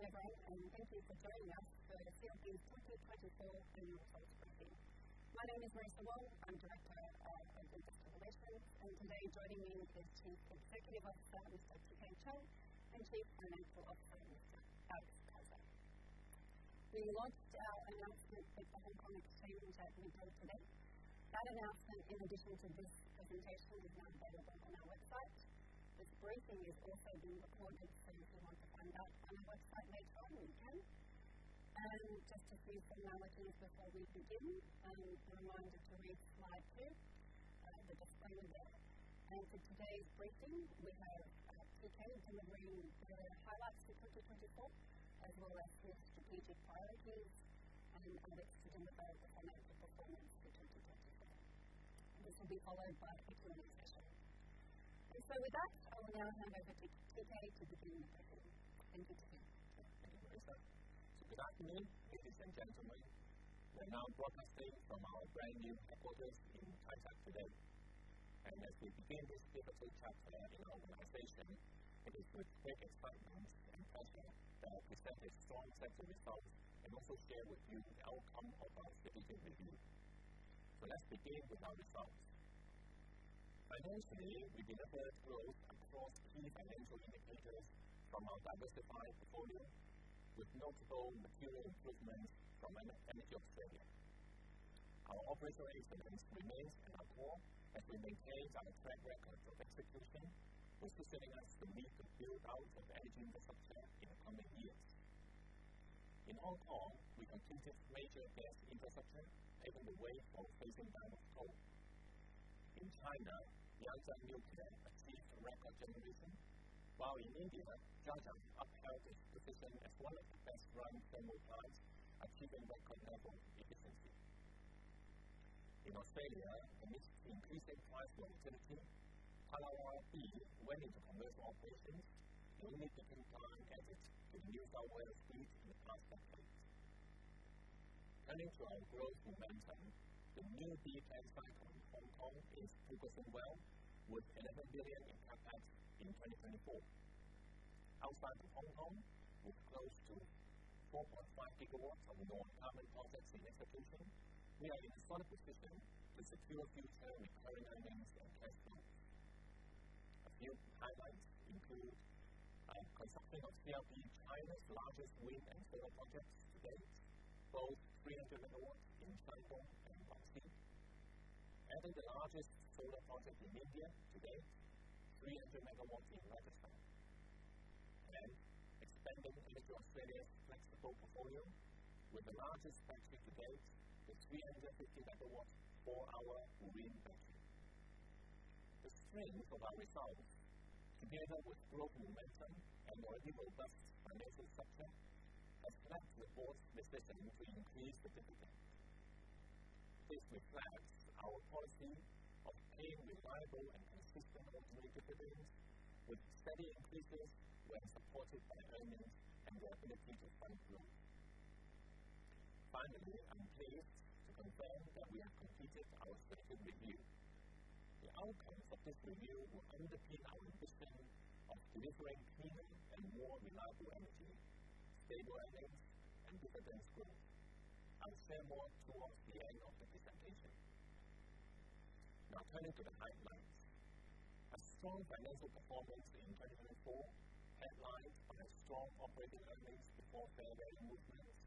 Good afternoon, everyone, and thank you for joining us for the CLP FY 2024 Annual Results Briefing. My name is Marissa Wong. I'm Director of Investor Relations and Sustainability, and today joining me is Chief Executive Officer, Mr. T.K. Chiang, and Chief Financial Officer, Mr. Alex Keisser. We launched our announcement with the Hong Kong Exchange at mid-daytoday. That announcement, in addition to this presentation, is now available on our website. This briefing is also being recorded, so if you want to find that on our website later on, you can. Just a few formalities before we begin. A reminder to read slide two, the disclaimer there. For today's briefing, we have T.K. delivering the highlights for 2024, as well as his strategic priorities and Alex to deliver the financial performance for 2024. This will be followed by a Q&A session. With that, I will now hand over to TK to begin the briefing. Thank you, Marissa. Good afternoon, ladies and gentlemen. We're now broadcasting from our brand new headquarters in Hung Hom today. As we begin this pivotal chapter in our organization, it is with great excitement and pleasure that I present a strong set of results and also share with you the outcome of our strategic review. Let's begin with our results. Financially, we delivered growth across key financial indicators from our diversified portfolio, with notable material improvements from EnergyAustralia. Our operational excellence remains in our core, as we maintained our track record of execution, positioning us to lead the build-up of energy infrastructure in the coming years. In Hong Kong, we completed major gas infrastructure paving the way for phasing out of coal. In China, Yangjiang Nuclear achieved record generation, while in India, Jhajjar upheld position as one of the best running thermal plants, achieving record-level efficiency. In Australia, amidst increasing price volatility, Tallawarra B into commercial operations, the peaking plant added to the New South Wales's grid in the past decade. Turning to our growth momentum, the new SoC cycle in Hong Kong is progressing well, with 11 billion in CapEx in 2024. Outside of Hong Kong, with close to 4.5 gigawatts of non-government projects in execution, we are in a solid position to secure future recurring earnings and cashflows. A few highlights include our construction of CLP China's largest wind and solar project to date, both 300 megawatts in Shandong and Shanxi, adding the largest solar project in India to date, 300 megawatts in Rajasthan. Expanding into Australia's flexible portfolio, with the largest battery to date, with 350 megawatts for our Wooreen battery. The strength of our results, together with growth momentum and our already robust financial structure, has led to the board's decision to increase the dividend. This reflects our policy of paying reliable and consistent ordinary dividends, with steady increases when supported by earnings and the ability to fund growth. Finally, I'm pleased to confirm that we have completed our strategic review. The outcomes of this review will underpin our ambition of delivering cleaner and more reliable energy, stable earnings, and dividend growth. I'll say more towards the end of the presentation. Now turning to the highlights. A strong financial performance in 2024 headlined by a strong operating earnings before fair value movements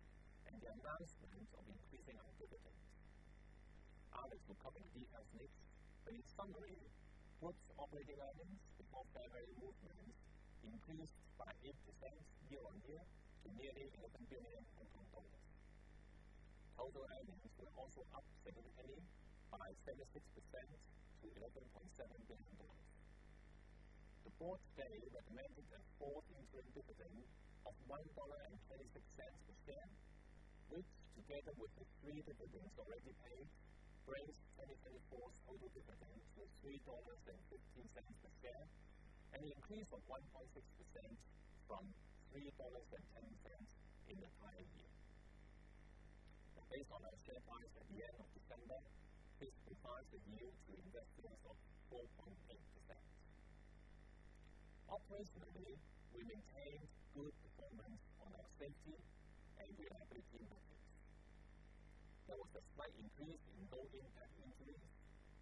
and the announcement of increasing the dividend. Alex will cover the details next, but in summary, the Group's operating earnings before fair value movements increased by 8% year-on-year to nearly HK$11 billion. Total earnings were also up significantly by 76% to HKD 11.7 billion. The board recommended a fourth interim dividend of HKD 1.26 per share, which together with the three dividends already paid, brings 2024 total dividends to HKD 3.15 per share, an increase of 1.6% from 3.10 dollars in the prior year. Based on our share price at the end of December, this provides a yield to investors of 4.8%. Operationally, we maintained good performance on our safety and reliability metrics. There was a slight increase in low impact injuries,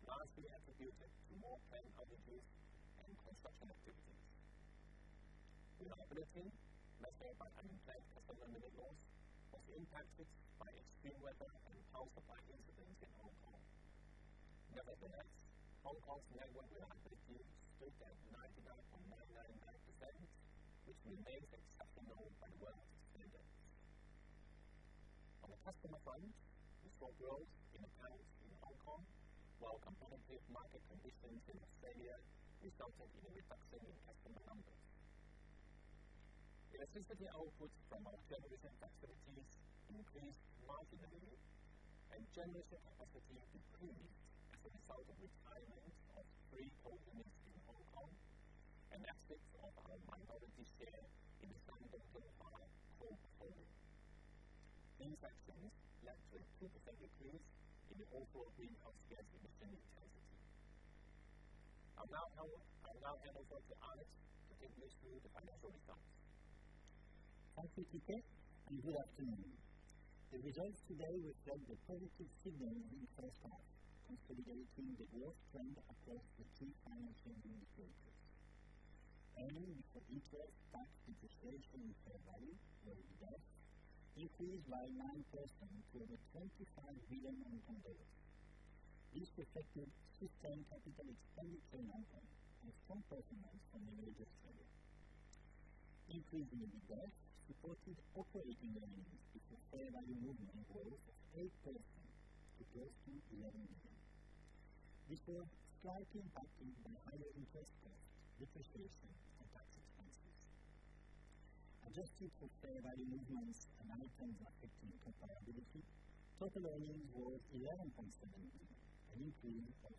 largely attributed to more planned outages and construction activities. In our T&D operations, the system's availability window was impacted by extreme weather and power supply incidents in Hong Kong. Nevertheless, Hong Kong's network reliability is still at 99.999%, which remains exceptional by world's standards. On the customer front, we saw growth in accounts in Hong Kong while competitive market conditions in Australia resulted in a reduction in customer numbers. The net energy output from our generation facilities increased marginally and generation capacity improved as a result of the timing of pre-openings in Hong Kong and aspects of our 10 GW share in Shandong coal portfolio. These actions led to a 2% increase in the overall greenhouse gas emission intensity. I'll now hand over to Alex to take us through the financial results. Thank you, TK. You're welcome. The results today reflect a positive signal in underlying forecasts, consolidating the growth trend across the three financial indicators. Underlying earnings for the year 2024 increased by 9% to over HK$25 billion. This reflected sustained capital expenditure margin of 10% from the latest figures. Increase in the dividend. Reported underlying operating earnings grew 8% to close to HK$11 billion. This was slightly impacted by the revaluation of deferred tax assets. Adjusting for fair value movements and one-off items, total earnings were HK$11.7 billion and improved by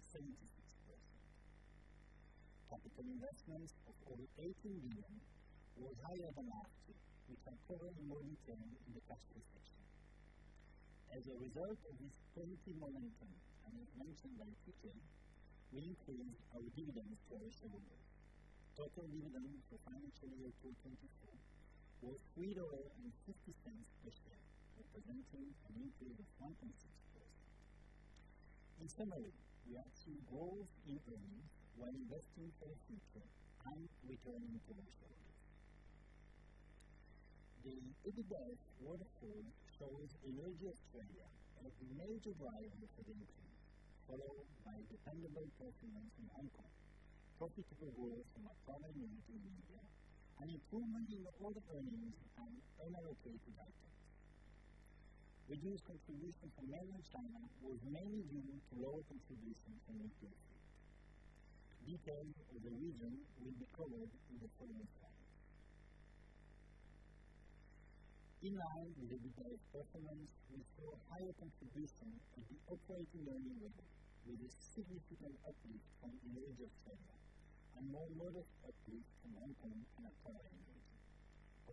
76%. Capital investments of over HK$80 billion were higher than last year, which I'll cover in more detail in the CapEx presentation. As a result of this positive momentum and as mentioned by TK, we increased our dividend distribution window. Total dividends for financial year 2024 were HKD 3.15 per share, representing an increase of 1.6%. In summary, we achieved growth in earnings while investing in expansion and returning financial earnings. The exhibit quarter four shows EnergyAustralia has a major rise in activity, followed by dependable performance in Hong Kong, profitable growth from our primary energy region, and improvement in the other earnings and allocated assets. Reduced contributions in EnergyAustralia was mainly due to lower contributions in wind turbines. Details of the region will be covered in the following slide. In line with the detailed performance, we saw a higher contribution in the operating earnings window, with a significant uplift from EnergyAustralia and more modest uplift from Hong Kong in October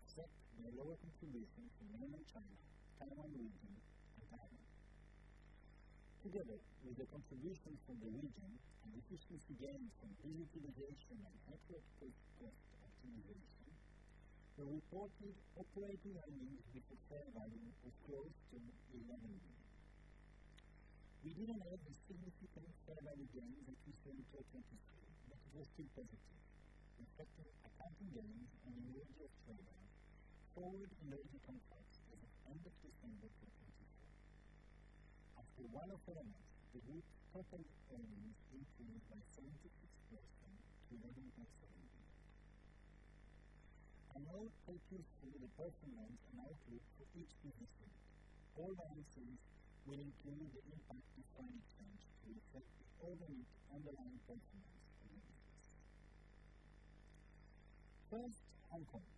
2024, except the lower contribution in Mainland China and the India region. Together with the contributions from the region and efficiency gains from digitalization and network-based growth optimization, the reported operating earnings with portfolio value was close to HKD 11 billion. We didn't add the significant portfolio gains increase in 2024, but it was still positive, reflecting accounting gains and EnergyAustralia forward energy contracts at 100% of the project income. After one of the events, the group's total earnings increased by 76% to HKD 11.7 billion. I will focus over the bottom line and outlook for each business unit. All earnings summaries will include the impact of earnings plans to reflect the overall underlying performance for each business. First, Hong Kong.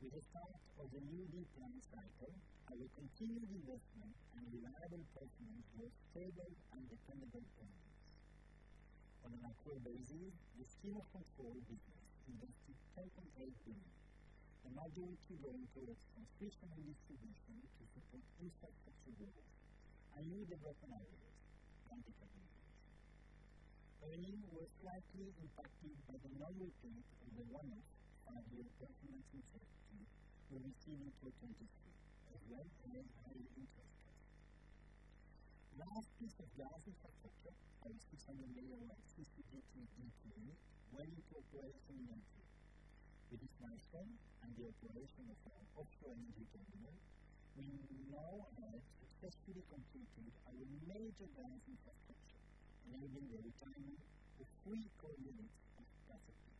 With the start of the new wind turbine cycle, our continued investment and reliable performance was furthered understandably for the month. On an operating basis, CLP Holdings invested HKD 10.8 billion, a majority going towards transmission and distribution to support industrial sector growth. I needed that analysis to understand the change. Earnings were slightly impacted by the lower gains from the one-off and the investment in renewables in 2017 through to 2023, as well as the maintained interest rate. Lastly, the T&D sector by HKD 600 million in 2018-2020, already incorporated in the guidance. With its management and the operation of the offshore energy terminal, we now have successfully completed our major T&D sector, leaving the remainder to accelerate its transition.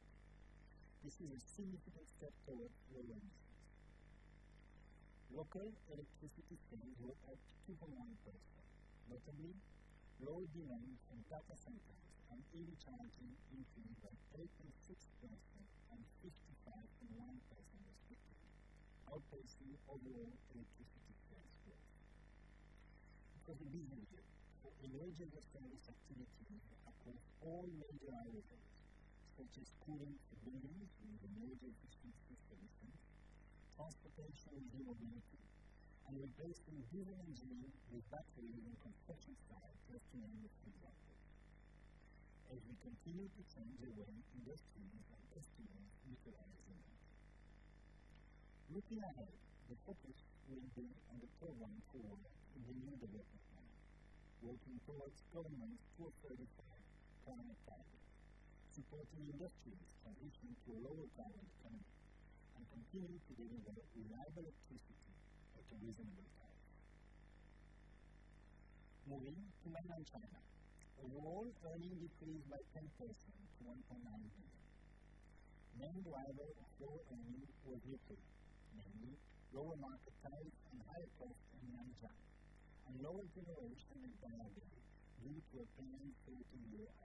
This is a significant step forward for our business. Local electricity demand was up 2.9%, notably, load demand in data centers and electronics increased by 86% and 55.1% this year, outpacing overall electricity demand growth. For the business unit, the energy transition activities across all major areas such as cooling, district cooling, electricity distribution, transportation and mobility, and replacing high-carbon energy and construction styles were key investment drivers. As we continue to change the way investing is understood in the current scenario. Looking ahead, the focus will be on progressing forward to the Northern Metropolis development plan, working towards net zero, fuel-flexible and clean power, supporting industries transitioning to a lower carbon economy, and continuing to deliver reliable electricity at a reasonable price. Moving to Mainland China, overall earnings increased by 10% to HKD 1.9 billion. Main driver of core earnings was yield, namely lower market price and higher price in Mainland China, and lower generation and commodity costs which were coming into the new year.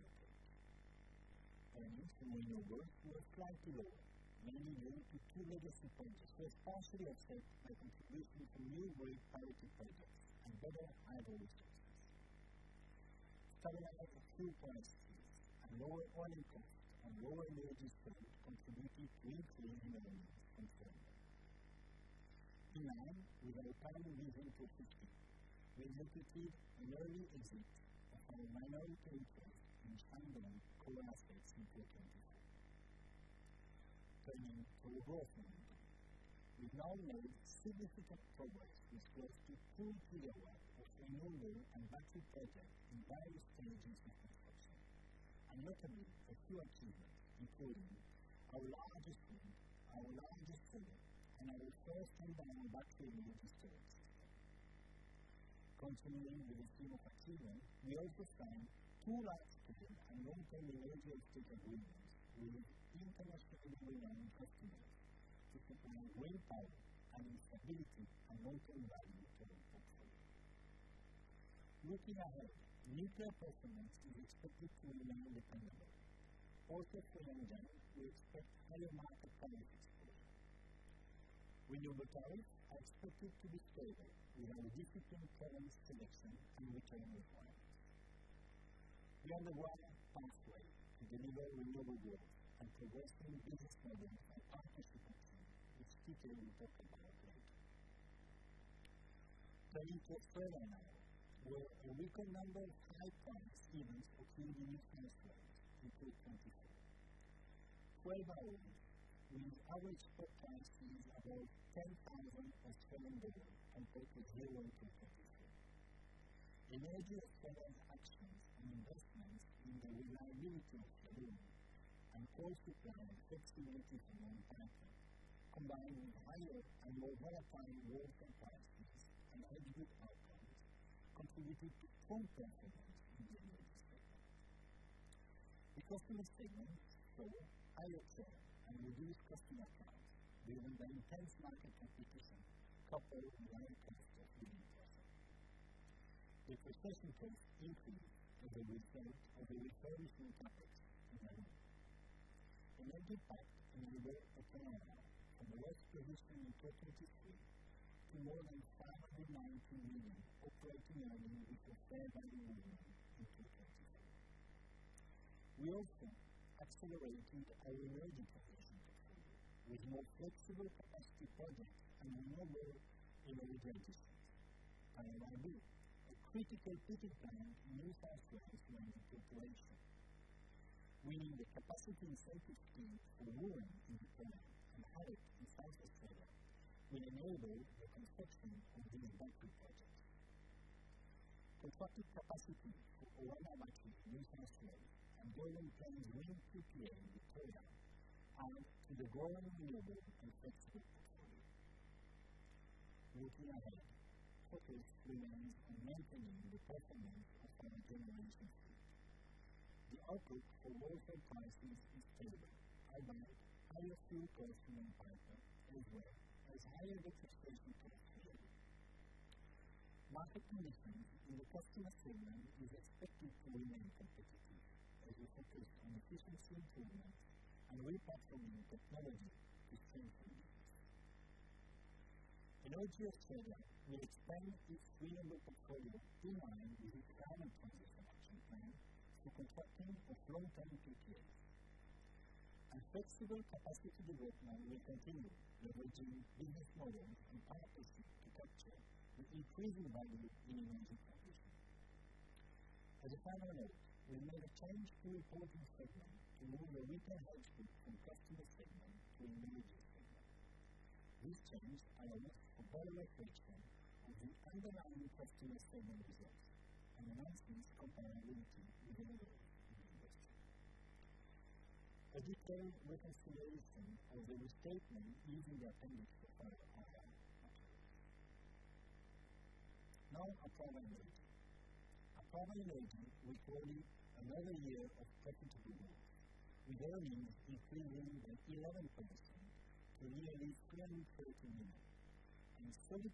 Earnings in the new growth were slightly lower, meaning more room to absorb over-supply. was partially affected by contributions to new growth capex projects and better pricing strategies. Some favorable energy mix, a lower fuel intake, and lower energy spend contributed to maintaining earnings and turnover. In line with our Climate Vision 2050, we will proceed to early exit of our minority interest in Shandong in 2025. Turning to the growth momentum, we've now made significant progress with close to HK$200 million of renewable and battery projects in various communities across the country. Notably, a few achievements, including our largest wind, our largest solar, and our first co-located battery with the solar system. Continuing with the theme of achievement, we also signed two large-scale renewable energy offtake agreements with international and domestic customers to support wind power and BESS stability and long-term value for the portfolio. Looking ahead, nuclear performance is expected to remain dependable. Moving forward, we expect higher market value exposure. Wind overall is expected to be stable with our disciplined capital allocation in the changing requirements. We fast-tracked to deliver renewable development and are progressing in business planning and partnerships with TK in particular. Turning to solar now, we had a record number of highlight events between the mid-2020s and 2024. Out of these 12, our average capacity is about 10 GW for solar and wind and total 20 GW. Energy-related actions and investments in the reliability of solar and wind and also plant-level excellent performance management, combining higher and more favorable merchant prices and output outcomes, contributed to strong performance in the new growth cycle. The customer segment, so higher sales and reduced customer demand, given the intense market competition, coupled with the high cost of wind power. The success rate increased over the 12-year period. EnergyAustralia solar now, from less production than 2015 to more than HK$519 million operating earnings with HK$4.1 billion in CapEx. We also accelerated our energy production with more flexible capacity projects and more energy transitions. In all this, a critical feat is done in all facets of the new corporation. Bringing the capacity in-service experience for wind in the plain and added in-service for solar, we enabled the construction of Wooreen battery projects. The quantum capacity for solar management was measured and given from the wind PPA in the program, powering the growing renewable and flexible portfolio. Looking ahead, focus remains on maintaining the performance of the new generation unit. The outlook for power prices is stable, despite higher fuel prices, demand data as well as higher generation capacity availability. Market conditions in the customer segment is expected to remain competitive as the focus on efficiency improvements and refactoring technology is strengthening. EnergyAustralia will expand its renewable portfolio in line with its balanced investment plan for construction of long-term PPAs. Flexible capacity development will continue with regional business models and partnerships to capture the increasing value in energy transition. As a final note, we made a change to the reporting segment to move the wind and solar from customer segment to energy segment. This changed our risk of over-expansion as we underlined the customer segment results and maximized compatibility with the renewable energy sector. A detailed reconciliation of the restatement using the appendix provided in this document. Now, a final note. A final note recording another year of healthy demand. We earning increasing with 11% to nearly 330 million, and solid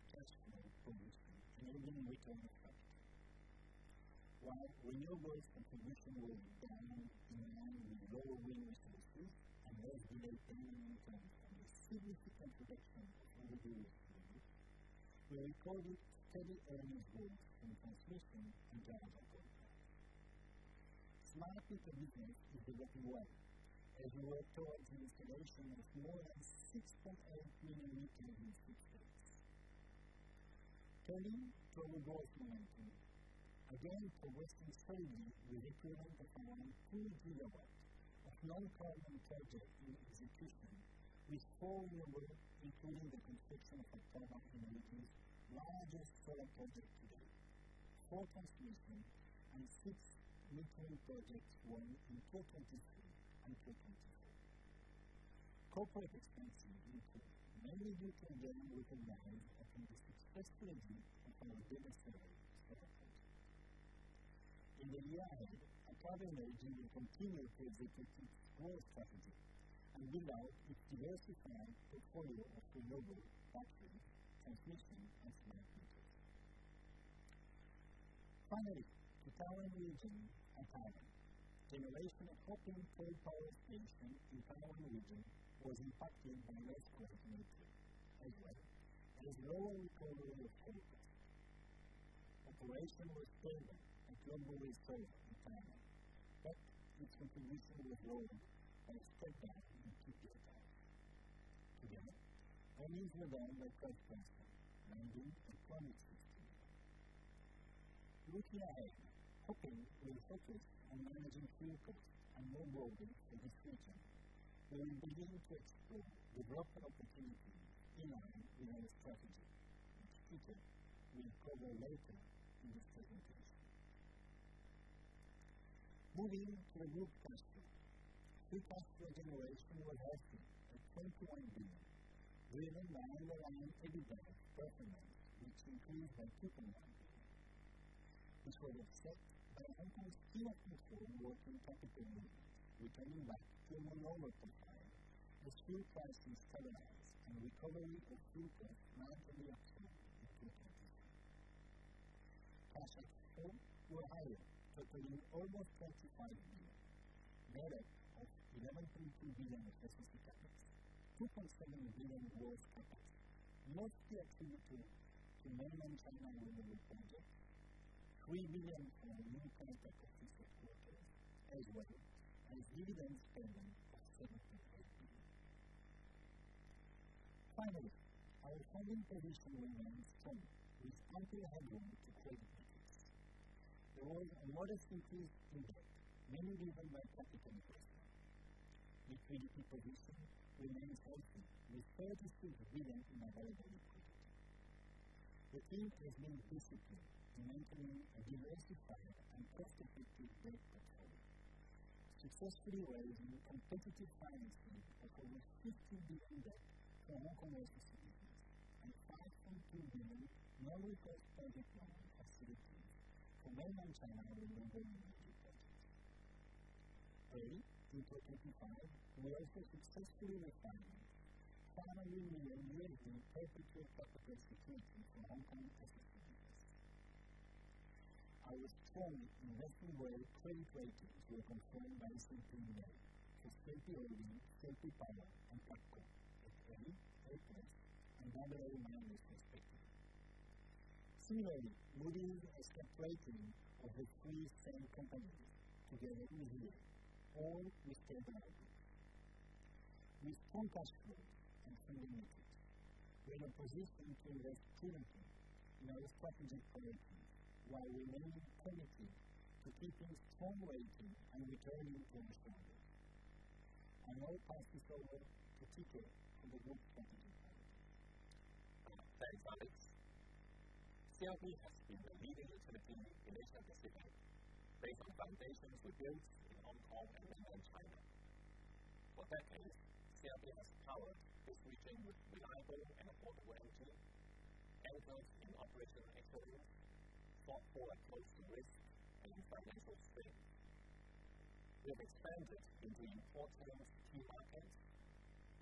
cash flow from this year to the new return of capital. While renewable contribution winds are now in line with lower wind resources and more greener energy demand and significant reduction in the new growth plan, we recorded steady earnings growth in transmission and generator growth. Slightly significant is the walking wire, as we were towards the installation of more than 6.8 million meters in six states. Turning to the growth momentum, again for Western Solar, we recorded the commencement of 2 gigawatts of non-carbon project in execution, with four renewable, including the construction of the 12 of the largest solar project today, four transmission, and six nuclear projects one in 2023 and 2024. Corporate expansion into many nuclear grids within the hours of the successful exit of our biggest seller in 2023. In India, Apraava will continue to execute its growth strategy and develop its diversified portfolio of renewables, battery storage, transmission, and solar projects. Finally, the Australia region, EnergyAustralia. The operation of our coal power station in Australia region was impacted by low supply of nuclear as well as lower coal prices. Operations were stable despite overall results in Australia, but its contribution was lowered by a setback in the two-year comp. Overall, earnings were down by gas pricing, hedging, and pumped hydro spending. Looking ahead, we'll focus on managing fuel costs and growth in volume of distribution, where we'll continue to work with regulators on opportunities in line with our strategy, which we will cover later in the presentation. Moving to the group results, we posted generation results at HK$21 billion, driven by underlying EBITDA performance, which includes the equity contribution. This was offset by. It was still considered working capital within, which underwent terminology planning, the fuel prices paradigms, and recovery of investment marginally expected to increase. Assets sold were higher, totaling over HKD 45 billion, net of HKD 11.2 billion of business capitals, 2.7 billion gross profits, mostly attributed to Mainland China renewable projects, 3 billion from renewable capital disposals as well, with dividends received at HKD 75 billion. Finally, our second traditional remains strong with total earnings to credit units. There was a modest increase in wind, mainly driven by capital investment. We trained to produce wind, remained healthy with HKD 36 billion in availability. The team has been disciplined in maintaining a diversified and cost-effective growth portfolio. Successfully raised new competitive financing for over 50 different. And for local electricity business and HKD 5.2 million lower-cost project funds at SOFR term for Mainland China renewable energy projects. Early in 2025, we also successfully refinanced. Finally, we were able to execute CapEx for long-term possibilities. I was told investment plan 2020 will be confirmed by September 9th to stakeholders in solar power and battery at 2 GW, 800 MW, and other renewable sectors. Similarly, moving forward as the platform of the three solar companies together. In the new year, all with great energy. With full cash flow and funding intake, we are positioned to invest in cleaner energy in our strategic planning while remaining committed to keeping strong ratings and returning cash to shareholders. Now, pass this over to T.K. for the group strategy plan. That is all it is. CLP has been a leading player in its investment cycle, based on utilisation of the growth in all of Mainland China. What that means, CLP has powered a reliable and affordable energy network in operational excellence, for a cost-efficient and financially sound spend. We have expanded into important key markets: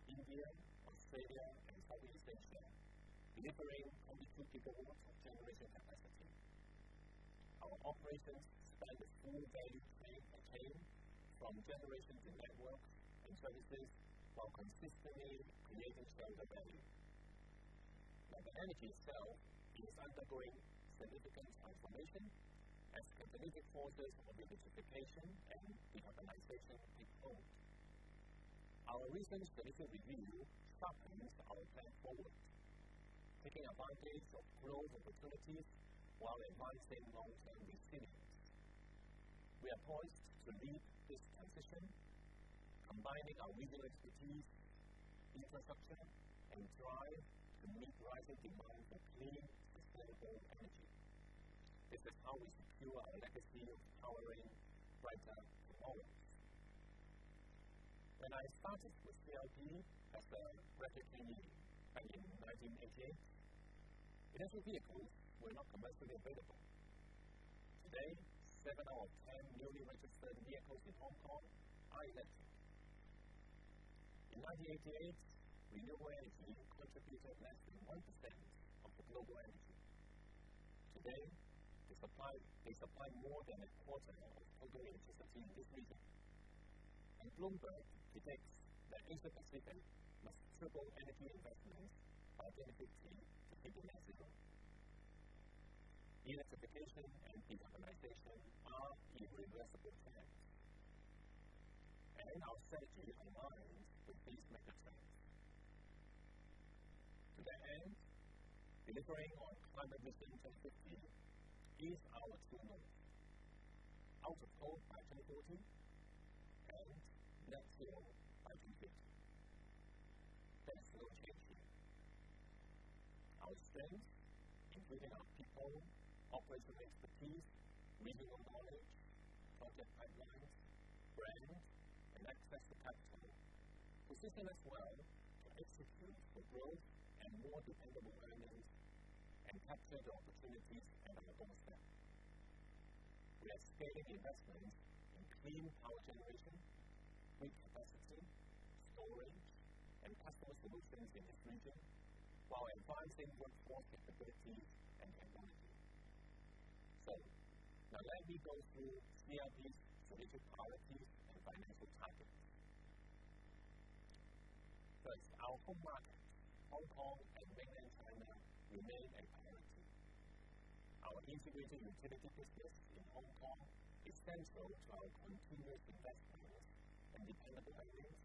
India, Australia, and Southeast Asia, delivering 20 GW of generation capacity. Our operations span the full value chain from generation to network and services while consistently creating stronger value. Like energy itself, driving this growth, significant transformation as catalytic forces of electrification and the decarbonisation of energy growth. Our recent strategic review sharpens our plan forward, taking advantage of growth opportunities while advancing long-term resilience. We are poised to lead this transition, combining our renewable expertise, infrastructure, and drive to meet rising demand for clean, sustainable energy. This is how we secure our legacy of powering Hong Kong right now and always. When I started with CLP Holdings' Graduate Training back in 1988, electric vehicles were not commercially available. Today, seven out of 10 newly registered vehicles in Hong Kong are electric. In 1988, renewable energy contributed less than 1% of the global energy. Today, they supply more than a quarter of the global electricity in this region. Bloomberg predicts that this electricity must triple energy investments by 2050 to hit the net zero. Electrification and decarbonization are irreversible trends. In our strategic environment, these metrics. To this end, delivering on Climate Vision 2050 is our to-do list. Net zero by 2030 and net zero by 2050. That is the roadmap. Our strength is within our people, operational expertise, renewable knowledge, project pipelines, brand, and access to capital to systematically execute the growth and more sustainable elements and capture the opportunities and the overlaps. We are scaling investments in clean power generation with capacity, storage, and customer solutions in this region while advancing workforce capability and mobility. While I'll be going through CLP's strategic priorities and financial targets, first, our home market, Hong Kong and mainland China, remain a priority. Our inter-region utility business in Hong Kong is central to our continuous investment and dependable earnings,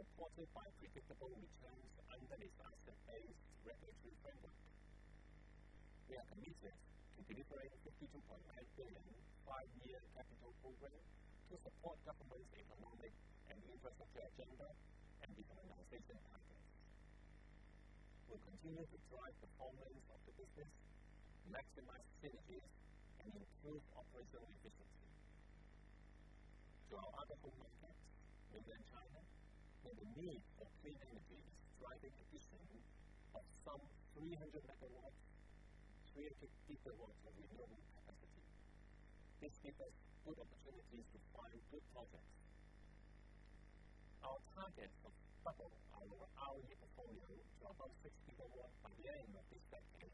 supported by predictable returns under the Scheme of Control regulatory framework. We are committed to delivering 52.5 billion five-year capital program to support government stakeholders and interests of their agenda and the organization agenda. We continue to drive the performance of the business, maximize synergies, and improve operational efficiency. To our other focus groups within China, we have a need for clean energy driving the issuing of some 300-350 megawatts of renewable capacity. This gives us good opportunities to find good projects. Our target of double our overall net performance to about 60 megawatts by the end of this decade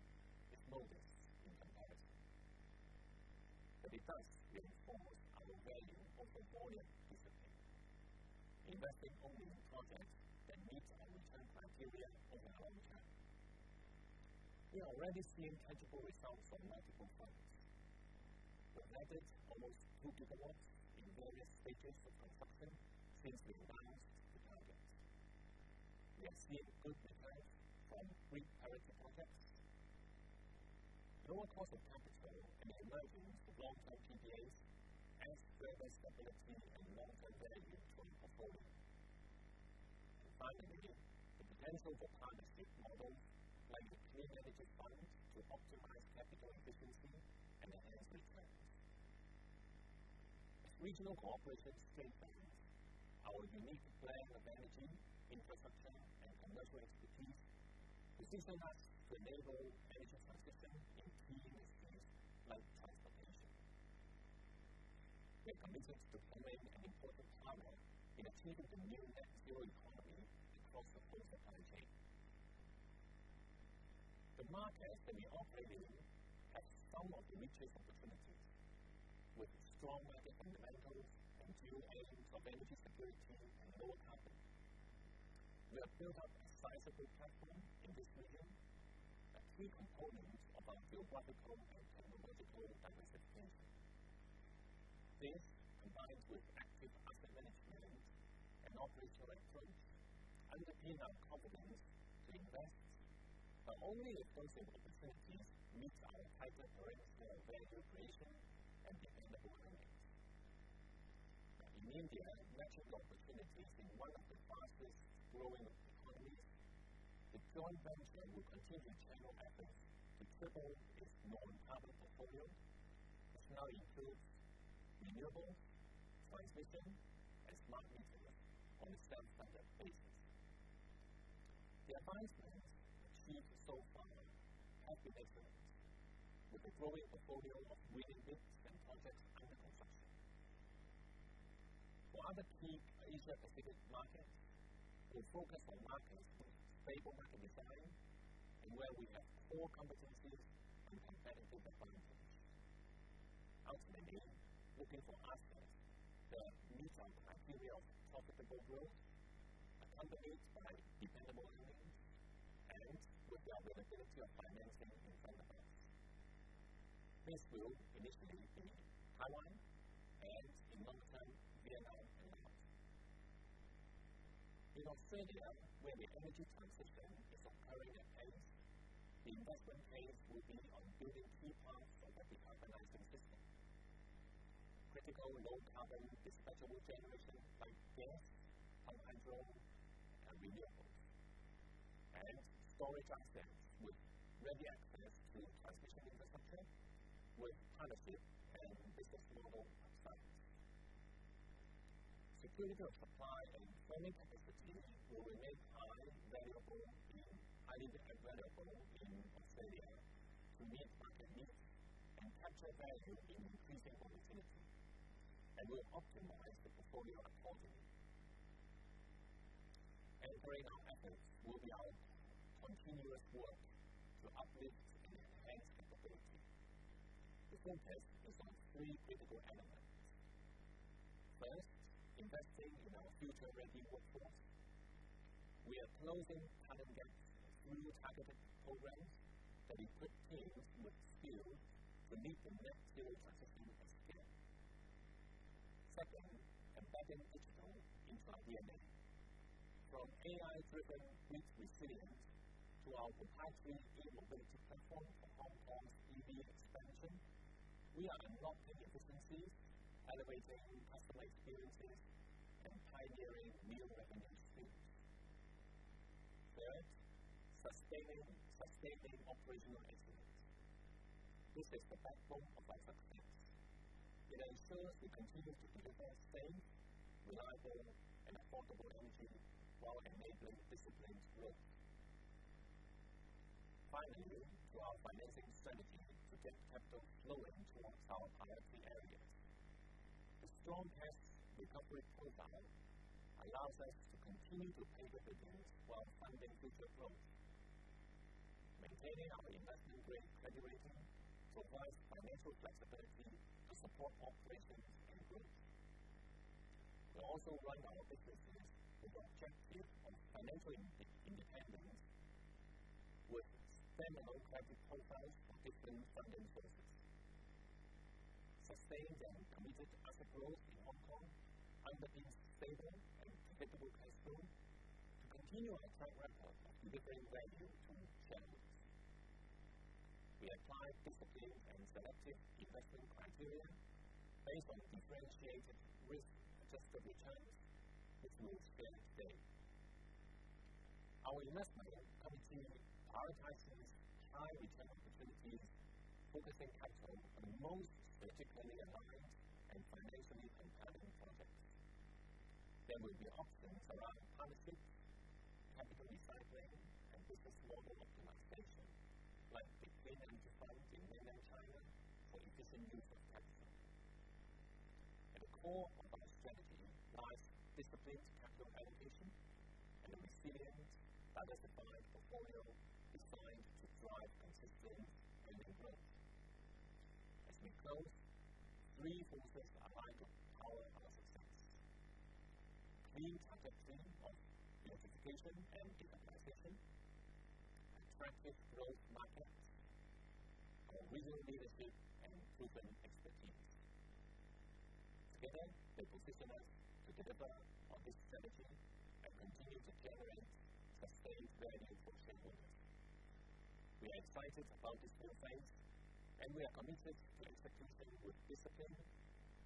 is no risk in comparisons. But it does reinforce our value of reporting discipline, investing only in projects that meet our return criteria over the long term. We are already seeing tangible results on multiple projects. We have netted almost two gigawatts in various stages of construction since we advanced the target. We have seen improved returns from our priority projects. Lower cost of capital and our learning from long-term PPAs adds service stability and long-term value to the portfolio. Finally, the potential for partnership models like the clean energy fund to optimize capital efficiency and advance returns. As regional cooperation remains present, our unique fleet of energy infrastructure and commercial expertise positioned us to enable energy transition in key industries like transportation. We are committed to playing an important role in achieving the new net zero economy across the value chain. The markets that we operate in have some of the richest opportunities, with stronger fundamentals and generation of energy security and lower CapEx. We have built up decisive impact in this region, a key component of our geographical and technological diversification. This, combined with active asset management and operational excellence, underpins our confidence to invest in only expensive opportunities which are in interconnected energy generation and dependable products. In India, natural opportunities in one of the fastest growing economies, with joint venture and continued general efforts to triple this low-carbon portfolio, has now improved renewable, transmission, and smart meters on a self-support basis. The advancements achieved so far have been excellent, with the growing portfolio of wind and solar projects under construction. In other key Asia-Pacific markets, we focus on markets with stable revenue planning and where we have core competencies and compatible performances. Looking for assets that are new types of renewables, profitable growth, accompanied by dependable earnings, and with the availability of financing in some areas. This will initially be in Taiwan and, in the long-term, Vietnam and India. We will focus where the energy transition is occurring at pace. The investment wave will be on building new plants of the decarbonization system, critical low-carbon dispatchable generation by gas, hydrogen, and renewables, and storage access with ready access to transmission infrastructure with partnership and business model upside. Security of supply and planning capacity will remain highly valuable and highly dependable in Australia to meet market needs and capture value in increasing opportunities, and we will optimize the portfolio accordingly. Great efforts will be our continuous work to uplift our tech capability. To address these three critical elements, first, investing in our future-ready workforce. We are closing talent gaps through targeted programs that equip teams with skills to meet the Net Zero transition of scale. Second, embedding digital infrastructure. From AI-driven grid resilience to our capacity and mobility platform for Hong Kong's EV expansion, we are unlocking efficiencies, elevating customer experiences, and pioneering new revenue streams. Third, sustaining operational excellence. This is the backbone of our strategy. It ensures we continue to deliver safe, reliable, and affordable energy while enabling disciplined growth. Finally, through our financing strategy, we get capital flowing towards our IPP areas. The strong debt recovery profile allows us to continue to pay dividends while funding future growth, maintaining our investment grade credibility to advance financial flexibility to support operations and growth. We also run our businesses with objectives of financial independence with similar low CapEx profiles and disciplined funding sources, sustained and committed asset growth in Hong Kong under these stable and predictable Scheme of Control to continue our track record of delivering value to shareholders. We applied disciplined and selective investment criteria based on differentiated risk-adjusted returns, which we explained today. Our investment wave continued prioritizing high-return opportunities, focusing capital for the most strategically aligned and financially compelling projects. There will be options around partnerships, capital recycling, and business model optimization like deeply invested in Mainland China for the disciplined capital. At the core of our strategy lies disciplined capital allocation and resilient, diversified portfolio designed to drive consistent revenue growth. As we close, three pillars of our success: clean energy, electrification and decarbonisation, attractive growth markets, and regionally relevant and proven expertise. Together, we will continue to deliver on this strategy and continue to generate sustained value for shareholders. We are excited about this new phase, and we are committed to execution with discipline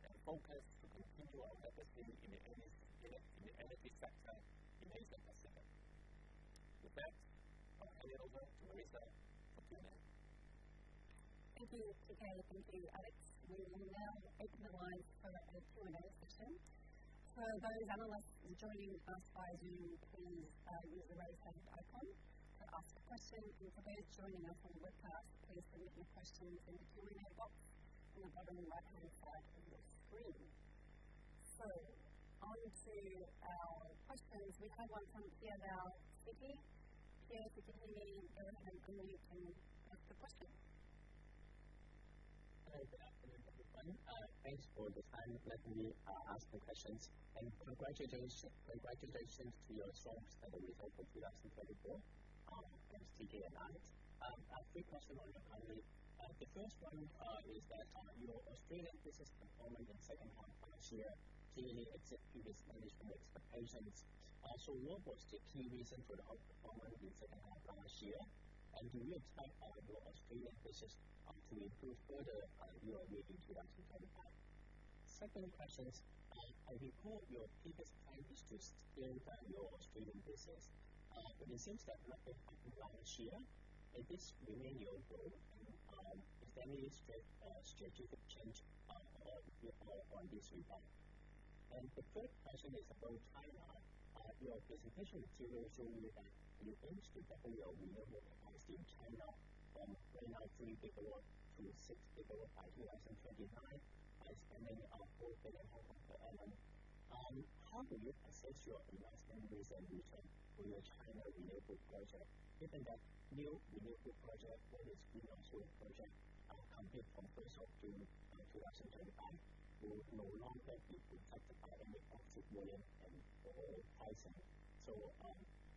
and focus to continue our legacy in the energy sector to make a difference. With that, I'll hand over to Marissa for Q&A. Thank you, T.K. Thank you, Alex. We will now open the line for the Q&A session. For those analysts joining us by Zoom, please use the right-sided icon to ask a question. And for those joining us on the webcast, please submit your questions in the Q&A box on the bottom right-hand side of your screen. So, on to our questions. We have one from Pierre Lau, Citi. Pierre Lau, Citi, go ahead and you can ask the question. Good afternoon, everyone. Thanks for the time that you asked the questions. And congratulations to your strong set of results in 2024. Thanks T.K. And Alex, and I have three questions on your plan. The first one is that on your Australian business performance and second one for this year, do you need to execute this initial expectations? Also, what was the key reason for the outperformance in second half of last year? And do you expect your Australian business to improve further in the year leading 2025? Second question is, I recall your previous plan is to scale down your Australian business, but it seems that not to happen this year. Is this really your goal? And is there any strategic change you want to see done? And the third question is from China. Your presentation materials show you that you aim to double your renewable capacity in China from right now three gigawatts to six gigawatts by 2025, by spending up to RMB 4.5 billion per annum. How will you assess your investment reasonable return for your China renewable project, given that new renewable project or this greenhouse grid project will complete from 1st of June 2025? We will no longer be protected by any FiT volume and pricing.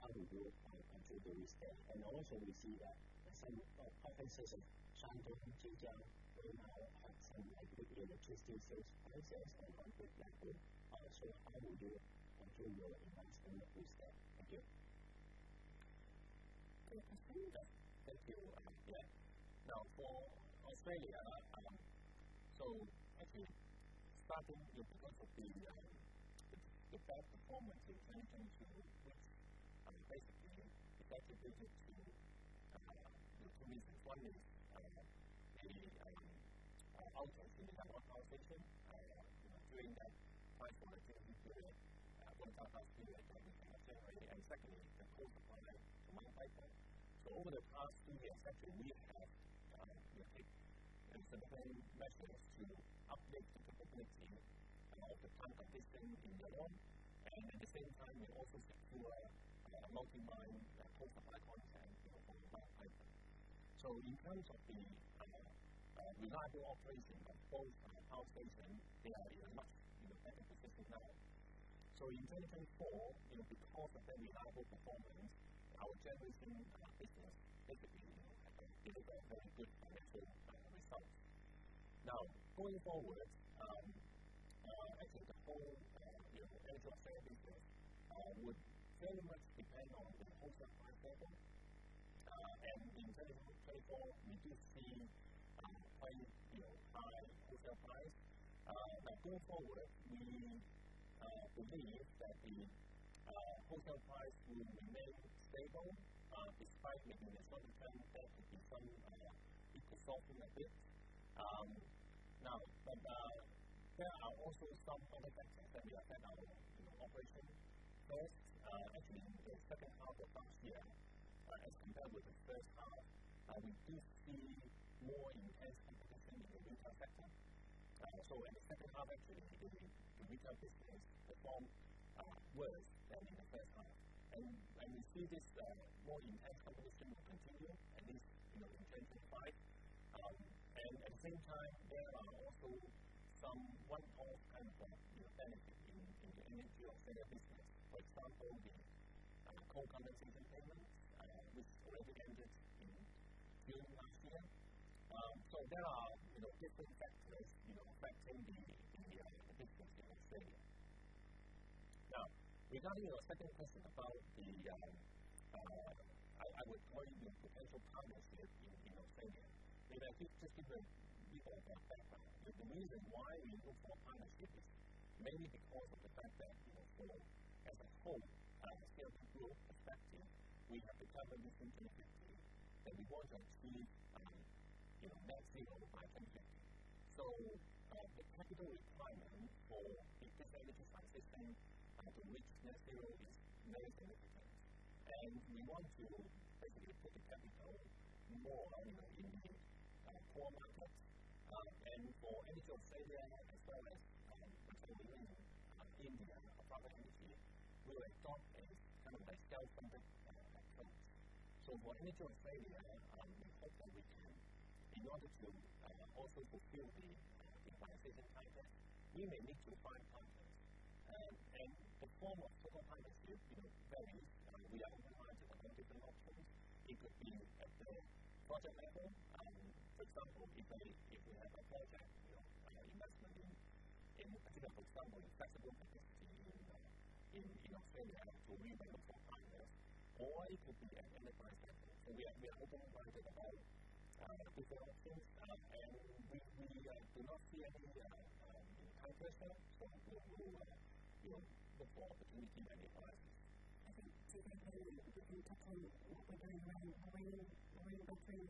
So, how do you continue to do this despite? Also, we see that some provinces of China continue to have some electricity sales prices and one thing that will also how do you continue your investment on this despite? Thank you. Good question. Thank you. Yeah. Now, for Australia, so actually starting with the point of view that the bad performance in 2022 was basically the best decision to make at least one of the major outages in network transition during that quite a major period, one-time transfer, and then secondly, the closure project to make it. So over the past two years, actually, we have had the big disciplined measures to update the technical team and also contain costs in general. And at the same time, we also secure the multi-year coal supply cycle and the coal supply cycle. So in terms of the reliable operation of the power stations, there is much in the planning and decision level. So in 2024, in the course of the reliable performance, our generation business basically will have a very good potential result. Now, going forward, our expected full potential sales would very much depend on the wholesale price level, and in 2024, we do see a slight rise in wholesale price, but going forward, we believe that the wholesale price will remain stable despite making the slight ceiling price to be slightly higher because of the FiT. Now, there are also some other factors that we have had our operational challenges, actually in the second half of last year. As compared with the first half, we do see more intense competition in the retention, so in the second half, actually, the retail business performed worse than in the first half, and we see this more intense competition continue at least in 2025. And at the same time, there are also some write-off kind of benefits in the EnergyAustralia business, for example, with coal conversion payments which already ended in June last year. So there are different factors factoring in the energy business in Australia. Now, regarding your second question about what I would call the potential partnership in Australia, I think just to give a bit of background, the reason why we look for partnership is mainly because of the fact that as a whole, as a CLP Group, in fact, we have the CapEx that we want to achieve in the next period of five years. So the capital requirement for the climate transition and to reach net zero is very significant. We want to basically put the capital more in our core markets than for EnergyAustralia as well as particularly in the other partnerships here. We were taught that kind of by CLP company accounts. So for EnergyAustralia, we hope that we can, in order to also fulfill the CapEx in high-price, we may need to find partners. And the form of local partnership varies when we are in the market of different options. It could be a direct project level. For example, if we have a project via investment group, and particularly, for example, the flexible business in Australia, we may look for partners. Or it could be a private partnership. So we are open to a bit of all. If there are things that we do not see as a good outcome, we try to address them so that we will look for opportunities and requirements. Typically, what are the reasoning behind why you think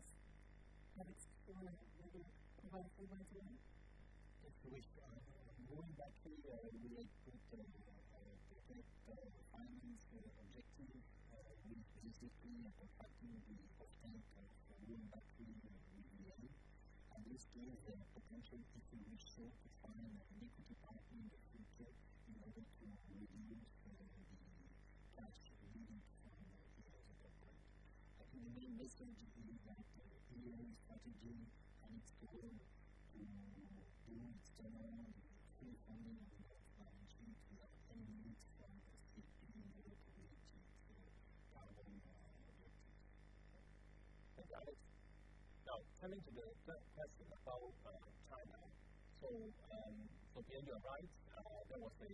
that it's going to be a good idea? To which point, going back to the really good technical analysis, I think the findings from the team lead to impacting the new core planning points going back to the EU. And this gives them potential to finish short-term and really impacting the future in order to really meet the technical demands that we need to meet in the next period of time. Okay. What is the impact of the new strategy and its goal in the next generation of energy transition? What are the next steps to be able to achieve that? Yeah. Okay. Now, coming to the third question, about China, so again, you're right. There was a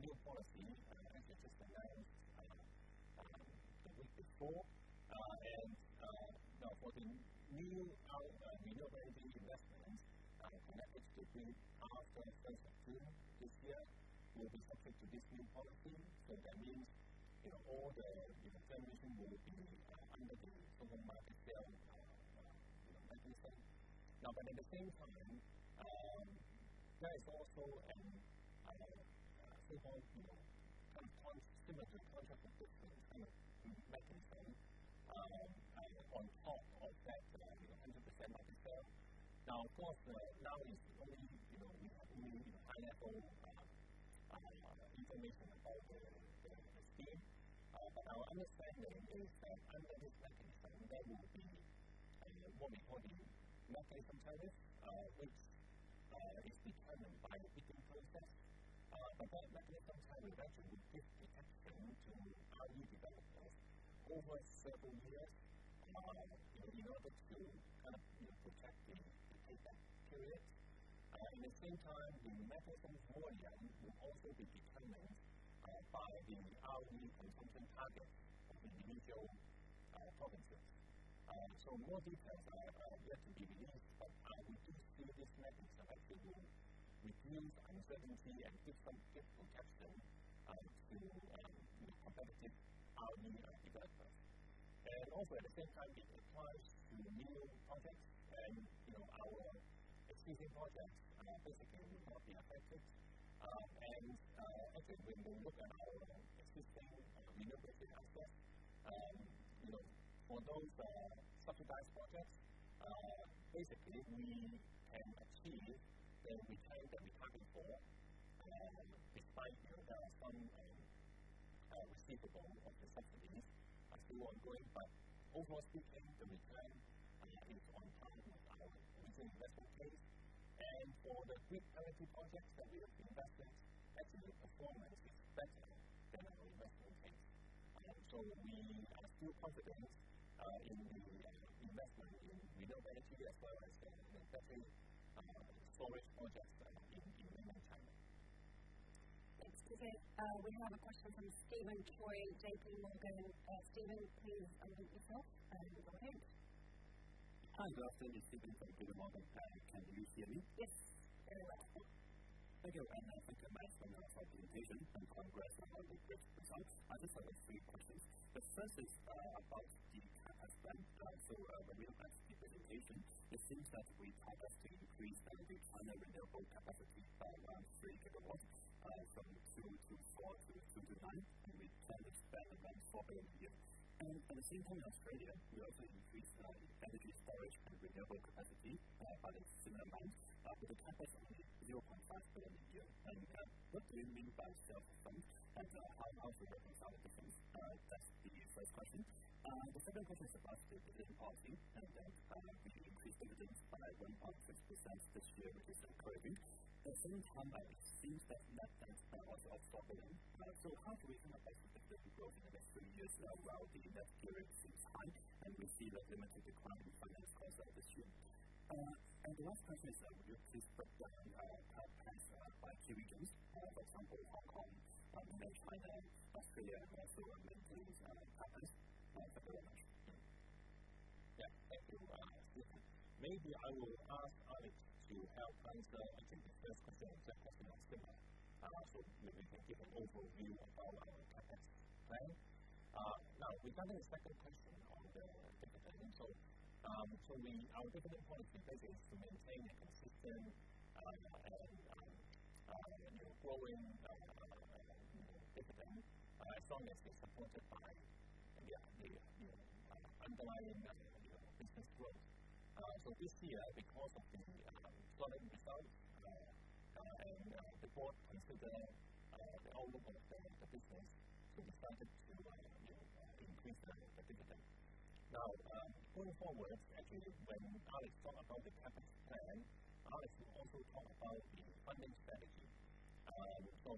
new policy that was introduced in the week before, and now, for the new renewable energy investments, the message could be, for instance, that this year will be subject to this new policy, so that means all the transmission will be under the coal market sales by this year. Now, but at the same time, there is also a similar contract with this company in 2020. We have on top of that 100% of the sales. Now, of course, we only have high level information about the state, but our understanding is that under this 2020, there will be a monetary mechanism which is determined by the auction process. But that mechanism actually gives the capability to our new developers over several years in order to kind of protect the tariff period. At the same time, the mechanism is more that it will also be determined by our new consultation target with the regional provinces. So more details that I have yet to give you because I would do this measure selectively with green and resiliency and different risk protection to compensate our new developers. And also, at the same time, it requires renewable projects. And our existing projects basically will not be affected. And again, we will look at our existing renewable projects for those subsidized projects. Basically, we can achieve the return that we're targeting for despite some non-receivability of the subsidies. Still ongoing, but overall, still getting the return. We do want to target our investment case. For the green energy projects that we have invested, actually performance is better than our investment case. We are still confident in the investment in renewable energy as well as the storage projects in China. Thanks. Okay. We have a question from Steven Choi, JPMorgan. Steven, please unmute yourself and welcome. Hi, good afternoon, Steven. Thank you very much. Can you hear me? Yes, very well. Thank you. And thank you very much for your documentation. I'm quite impressed with the good results. I just have three questions. The first is about the capacity plan. So the real capacity addition is seen that we target to increase energy and renewable capacity by around 3 gigawatts from 24 to 29, and we plan to expand that for a year. And at the same time, in Australia, we also increase the energy storage and renewable capacity by about a similar amount, with a target of 0.5 GW per year. And what do you mean by sales performance? And how do you think that it depends? That's the first question. The second question is about the dividend policy. And I think the increase in the tariffs by around 5-6% this year is still improving. At the same time, I see that net benefit also of the volume. So how do we kind of estimate this growth in the next three years? Now, we are already in that period. It seems high, and we see that the metric declines in the next quarter of this year. And the last question is, would you please break down the CapEx by key markets? For example, Hong Kong, the mainland, Australia, and also India and Vietnam. Thank you very much. Yeah. Thank you, Alex. Maybe I will ask Alex to help answer each of the first questions that the questioner asked, and the last. So maybe we can give an overview of our capital plan. Now, regarding the second question on the capital planning. So our capital planning basically is to maintain a consistent and growing capital planning as long as it's supported by the underlying business growth. So this year, because of this new economic results, and before until the end, I have no longer planned the business to expand it to increase the capital planning. Now, going forward, actually, when Alex talk about the capital planning, Alex will also talk about the funding strategy. So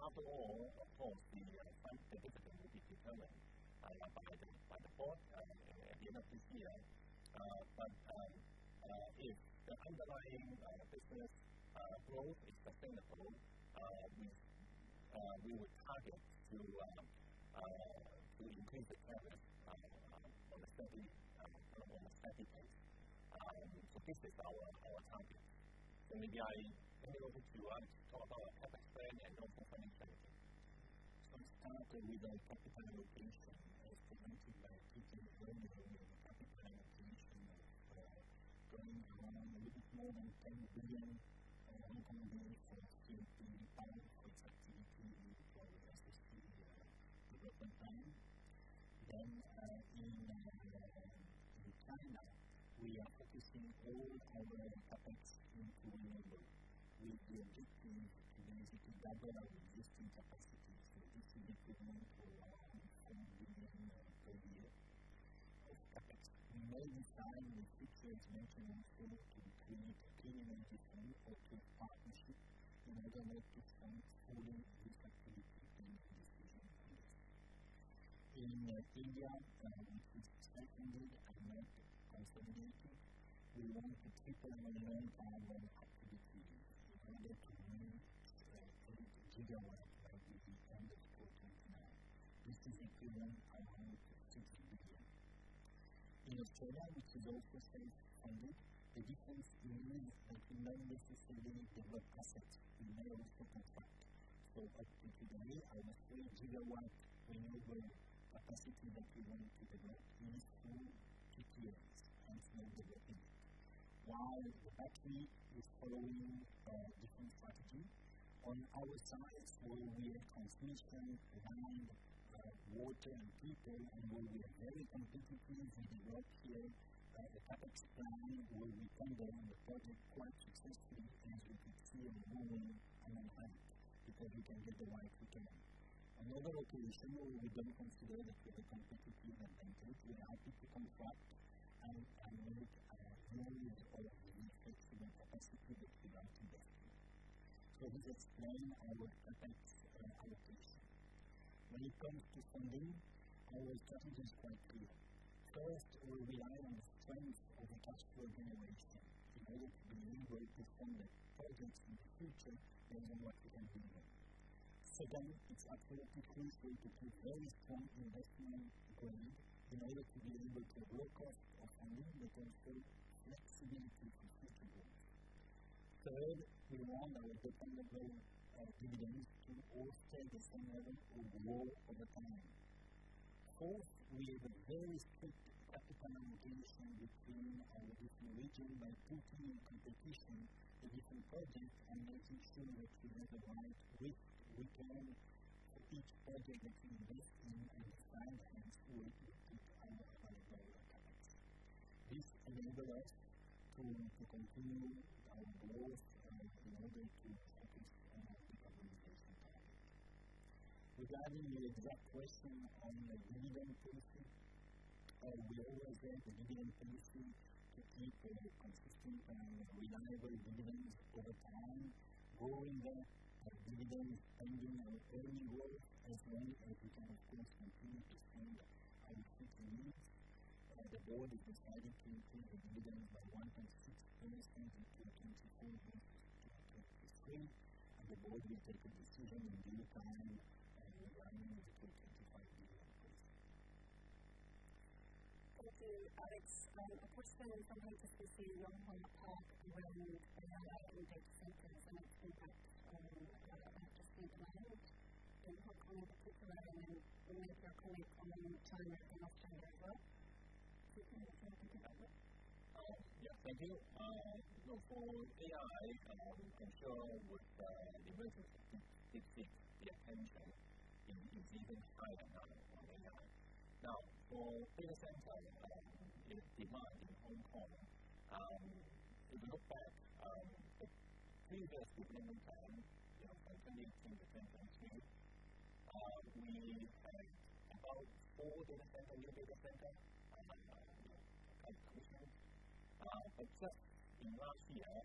after all, of course, the funding capacity will be determined by the forecast at the end of this year. But if the underlying business growth is sustainable, we will target to increase the scale by, for instance, the performance metrics and to sustain our target. So maybe I will go to Alex to talk about the capital planning and the company's management. So the reason for the allocation of the capital planning is to ensure that the capital planning is sufficiently growing with a solid understanding of the grid, and we will be looking to see if we can find a project to increase the growth of the company, then we will be looking to decide that we are focusing only on the capital to improve the growth. We will need to really level up existing capacity to increase the growth of the company over the next 10 years, so the capital that mainly ties with the growth momentum is to increase the growth of the partnership to really understand what is actually the position. In India, we have a significant and advanced company. We want to keep on leveraging our capacity to increase the growth of the company and to give them the capacity to understand what is happening. This is a given and we will continue to do so. For now, we should also state the difference between the understanding of the Australian generation assets to the Australian government. Actually, today, I will explain, given what the new generation capacity that we want to develop is to keep us in the same position. Now, actually, we're following different strategies. On our side, when we are transmission, generation, renewables, and retail, we will be very competitive in the market here. The capital planning will be ramping up in the projects quite successfully and we could see a growing momentum because we can meet the rising demand. Another occasion where we don't consider the competitiveness momentum is we have to keep on track and maintain the excellent capacity that we have invested. So we explain our capital allocation. When it comes to funding, our strategy is quite clear. First, we will rely on the strength of the cash generation in order to be able to fund the projects in the future in the next 20 years. Second, it's absolutely crucial to keep all the strategic investment going in order to be able to draw on funding that can create flexibility for future growth. Third, we run our dependable dividends in all four divisions and all four over time. Fourth, we have a very strict capital allocation between our different regions, operations, and commitments to different projects and making sure that we have a balanced return for each project that we invest in and expand it with the underlying capital. This enables us to continue our growth and in order to focus on the capital investment planning. Regarding the exact question on the dividend policy, I will be able to answer the dividend policy to keep a consistent and reasonable dividends over time, growing the dividend in line with earnings growth as long as we can increase the growth we see the board is likely to increase the dividends by 1.6 times in 2024, so it's the same, and the board will take a decision in due time and in the coming 2025 years. Thank you, Alex. A question from HSBC, Yonghwa Park around AI and data centers and its impact on electricity demand in Hong Kong in particular, and may be your comment on China and Australia as well? T.K., would you like to take that one? Yes, I do. For AI, Am sure with the emergence of DeepSeek, the attention is even higher now on AI. Now, for data center, it's defined in the protocol. There's no fault. We invested in the data center in 2022. We have about four data centers in the data center by the time of the COVID crisis. But just in last year,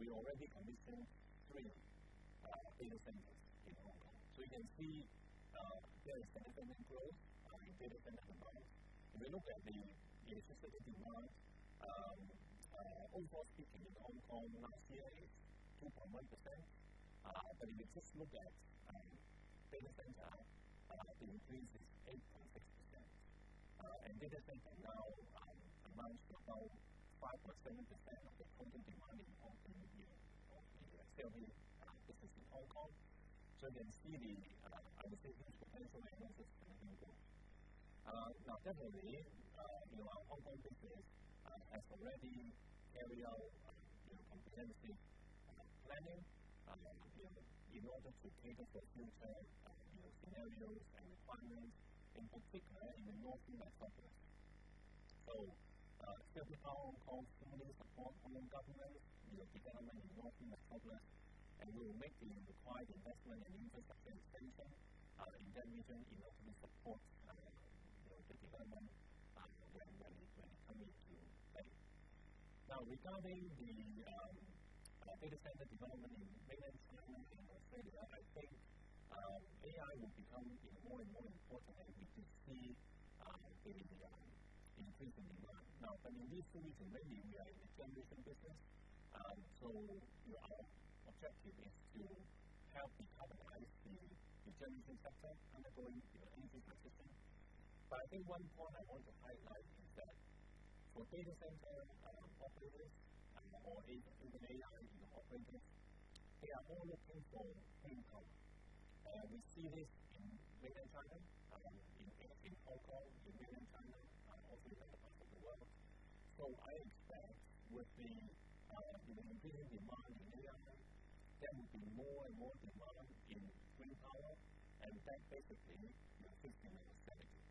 we already commissioned three data centers in Hong Kong. So you can see data center growth and data center demand. If you look at the statistic online, overall speaking, in Hong Kong, last year it's 2.1%. But if you just look at data center, capacity increase is 8.6%. And data center now, I manage to account 5% of the total demand in Hong Kong here. So you can see that's still in Hong Kong. So you can see the potential differences between the two. Now, secondly, our Hong Kong business has already carried out capacity planning in order to increase the return on the risk management and efficiency and to quickly move to that topic, so it's difficult to move forward from government approvals to development to move to that topic, and we will make this required investment in the data center in that region in order to support the capacity development, so that is what we need to focus on. Now, regarding the data center development and maintenance business in Australia, I think AI will become more and more important as we can see activity increasingly more. Now, historically, maybe AI is a game-changing business, so our objective is to help capitalize the gaming sector and go into the gaming sector, but I think one point I want to highlight is that for data center, I support this. For energy. AI in the operations, they are all looking for gas side. We see this in Hong Kong and mainland China, and also in other parts of the world. I expect with the balance with the growing demand in the US, there will be more and more demand in mainland China. That basically is the grid management strategy.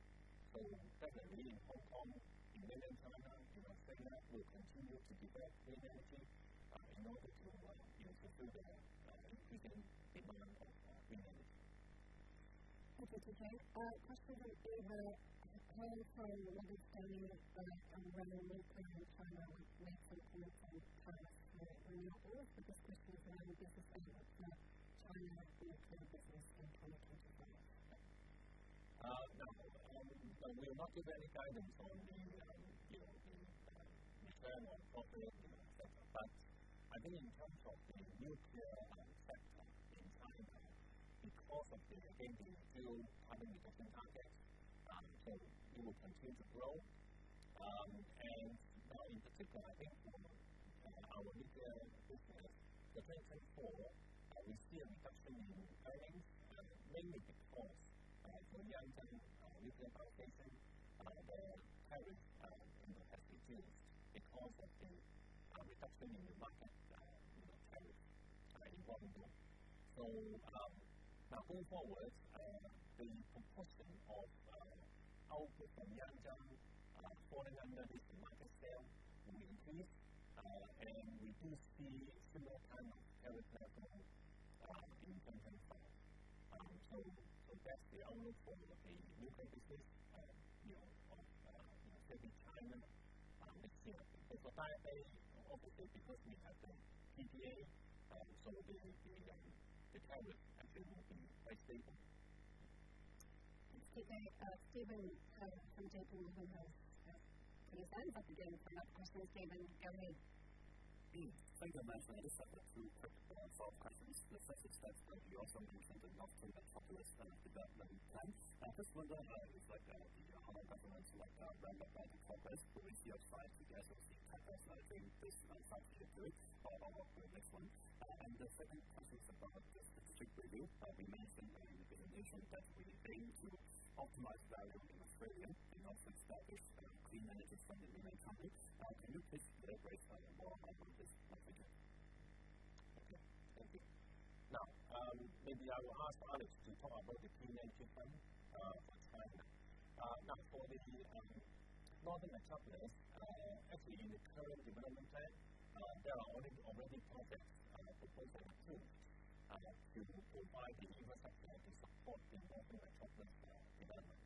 Secondly, in Hong Kong and mainland China, grid management will continue to be very present in the grid in order to work in the grid management within the Hong Kong and mainland China region. Thank you T.K. A question from Eva Ho from Morgan Stanley around nuclear in China. We've made some comments on tarriffs for renewables, but this question is around business outlook for China nuclear business in 2025? No. We're not giving any guidance on the gas management. We're very much confident in that set of facts. I think in terms of the gas management sector in China, it's also pretty keen to see how in different contexts. And we will continue to grow. And now, in particular, I think our vision in the future is to take this forward. We see a reduction in the gains. That may be because the majority of the gas management in Australia are in Tallawarra and in the United States because of the reduction in the margin that is in Tallawarra. So it's very positive. So now, going forward, the proportion of our gas management for the underlying market share will increase. And we do see similar kind of retail growth in 2024. So that's the outlook for the local business and the growth of the gas management. We see the society obviously increasing at the end of the year. This is the growth that we can see in the U.S. states. Thank you. Steven from JPMorgan has put his hand up again for another question. Steven, go ahead. Thank you very much for this subject to the performance of countries such as the U.S., but we also need to conduct the topic and development plans, and this was done by the Secretary of the U.S. Government of the United States, who is here tonight to gather the capital management. In this manufacturing gifts or our projects one, and the second question is about the gifts specifically we will be making in the gifts management. That will be the optimized value in Australia in order to establish a clean energy spending in Mainland China, and if it's the right value for our country, this is what we do. Okay. Thank you. Now, maybe I will ask Alex to talk about the clean energy planning for China. Now, for the development. Northern Metropolis, actually in the territorial development plan, there are already projects under proposal in 2022 by the central government to support the Northern Metropolis development.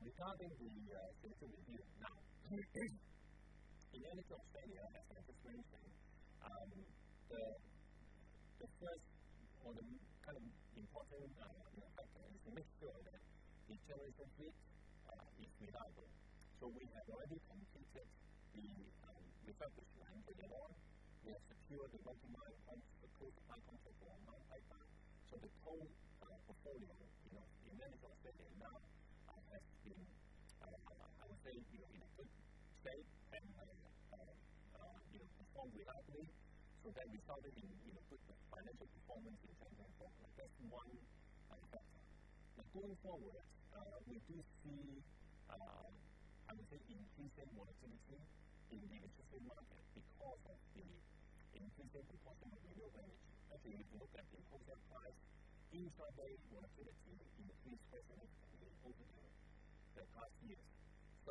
Regarding the specific GW now, two things. The EnergyAustralia has been decreasing. The first or the kind of important driver of that is the GW with the CSG is the hydro. So we have already completed the refurbished plant. For the board, we have secured the water management to support the hydro for the whole of my pipeline. So the total portfolio in mainland Australia now, I think I would say in a good state and in a strongly upward. So we started with a good financial performance in terms of the first half and so on. But going forward, we do see, I would say, increasing volatility in the energy market because of the increasing proportion of renewables. Actually, if you look at the pool price in Australia, volatility increased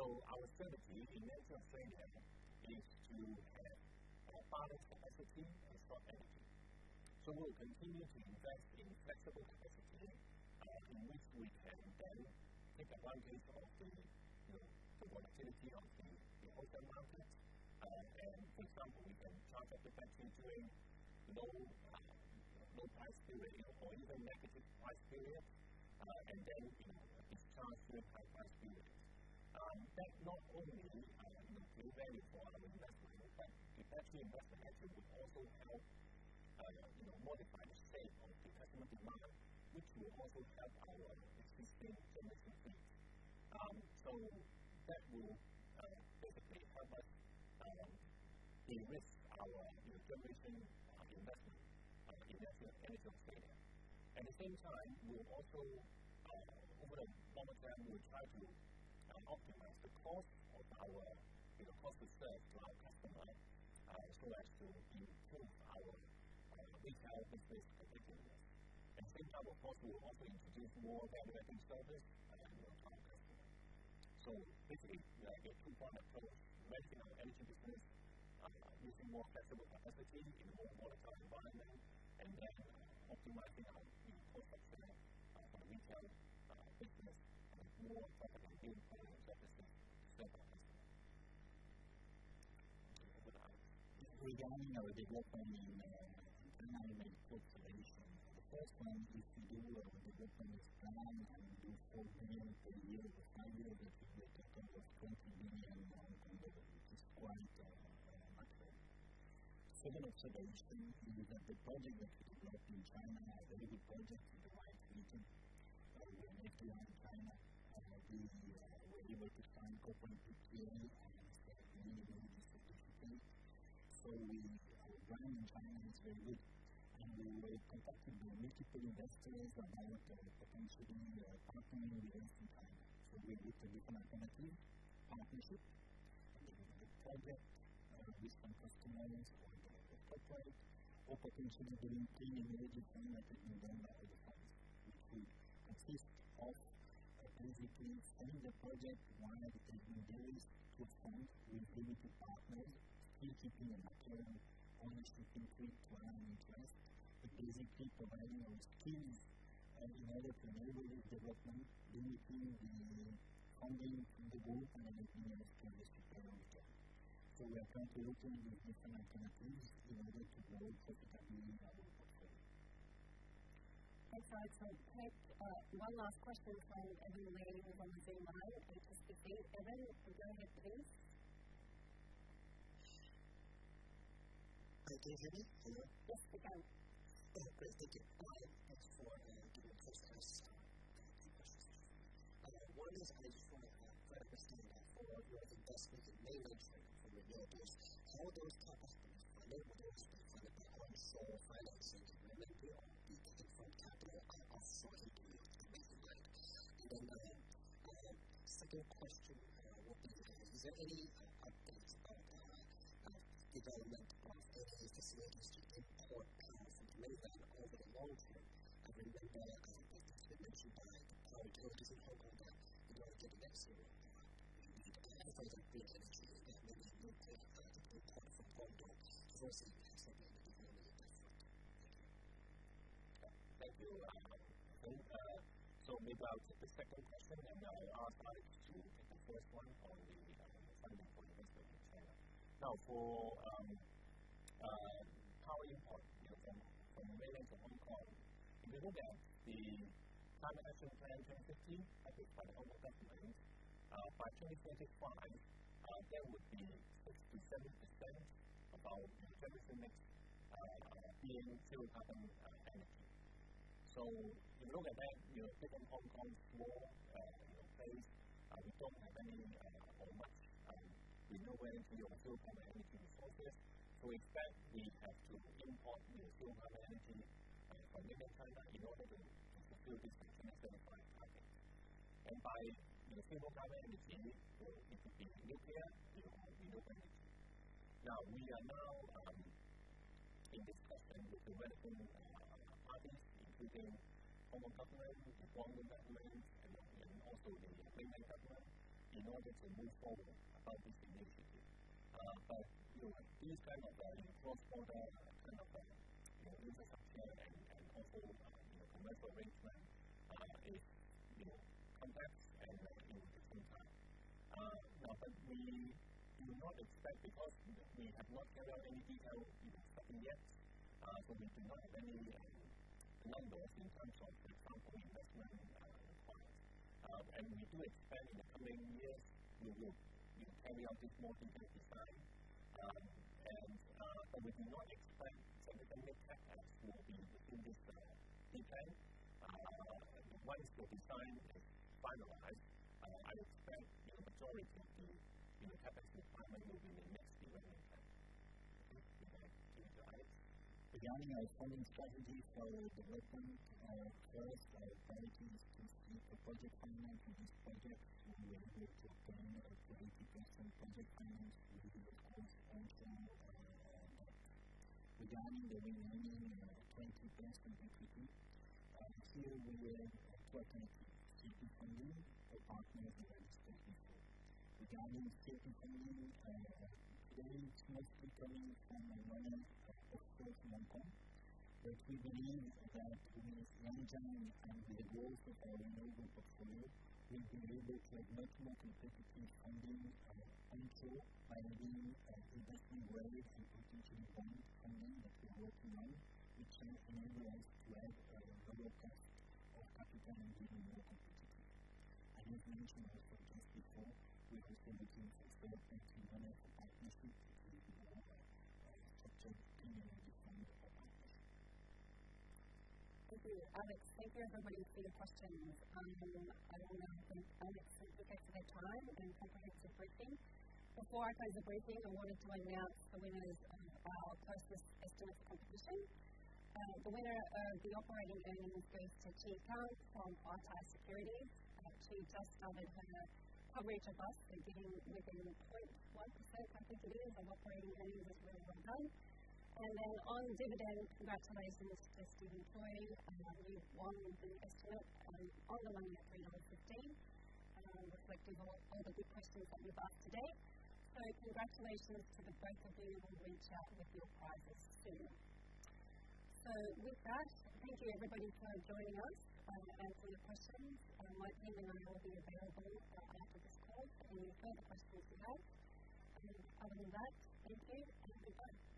quite a bit over the past years. So our strategy in Australia is to have more power capacity and storage. So we will continue to invest in flexible capacity in which we can then take advantage of the volatility in the market. And for example, we can charge up our batteries in low price period or even negative price period and then discharge in the high price period. That not only will vary for our investments, but eventually most of the country will also have a modified state of investment management which will also help our existing service assets. So that will basically help us de-risk our traditional investment in the energy sector. At the same time, we'll also our overall performance plan will try to optimize the cost of our cost of service by optimizing so as to improve our retail business particularly. And since our tariffs will also introduce more arbitrage service and more power consumption. So basically, the two parts of the plan: reducing our energy assets using more flexible capacity in the more modified environment, and then optimizing our asset management for the requirements. This is the core topic of asset management strategy. Regarding our development planning, the main points to mention. The first one is to do with the risk management planning and to continue to use the hydro risks management to ensure the risk management is quite strong and effective. Similar to those two is that the project risks in China have a good quality the project. That's all I have. One last question from everyone waiting on the line is to see if there's anything else to add to this. Can you hear me? Yes, we can. Okay. Thank you. We have a few extra words that I need to close the conversation with. Thank you for your questions. I have one last question that I was thinking about for our investment in mainland China. For the new builds, how does that happen? And then what is the kind of financial or financing that will be needed from CapEx and also to make the gigs management. And then my second question would be is there any kind of updates about that development? What are the possibilities to make more gigs management over the long term? I mean, what are the expectations? What are the priorities in Hong Kong that we want to get next year? And if we can get next year, then maybe we will be able to move forward from one gig, first gig, next gig, and then the next gig. Thank you. Thank you very much. So maybe I'll take the second question and then I'll ask Alex to take the first one for the 2024 investment in China. Now, for power imports from mainland to Hong Kong, given that the climate action plan 2015, I think by the 2020 measures, by 2025, there would be 60%-70% of our generation mix in clean energy. So if you look at that, given that from Hong Kong we don't have any or much renewable low-carbon energy resources. So we expect we have to import low-carbon energy from mainland China in order to fulfill this generation mix planning target. And by low-carbon energy, it's nuclear, renewable energy. Now, we are in discussion with the relevant parties, including Hong Kong government, and also the mainland government in order to move forward about this initiative. But these kind of cross-border kind of intersection and also the commercial arrangement might take some lengths and might be a bit too fast. But we do not expect because we have not carried out any detailed discussion yet. So we do not have any numbers in terms of the outgoing investment projects. And we do expect in the coming years we will carry out this more detailed design. And we do not expect some of the next actions to be in this plan. In fact, once the design is finalized, I expect the majority to happen in the next year in fact. AI and energy strategy for the development of various strategies to keep the project in line with its project risks management. We will be expecting a strategy risks management project planning to include the cost of risks management and the risks management strategy. Next year, we will be expecting it to be completed approximately by 2024. Regarding the strategic risk management planning, the main strategic planning and the one for the first Hong Kong, the strategy is about the management and the goals of the Mainland for China. We will be able to address the specific risk management planning and the future planning and the execution of the strategic risk planning that we have planned which will be an overall plan and a dual plan. I think we can do more than that. I will finish my questions before we proceed to the next one and I think we will be able to obtain the risk management planning by next year. Thank you. Alex, thank you for the questions. I think we've had a timely and comprehensive briefing. Before I close the briefing, I wanted to announce the winners of our closest estimate competition. The winner of the operating earnings goes to Qing Tang from Barclays. Who just started with a coverage of us, they're within 0.1% of the dividend and operating earnings, which is where we are. And then on dividends, congratulations to Stephen Choi. He's won the estimate on the money at HKD 3.15, reflecting all the good questions that we've asked today. So congratulations to both of you and we'll reach out with your prizes soon. So with that, thank you everybody for joining us. If there are any further questions, my team and I will be available after this call. Other than that, thank you and good luck.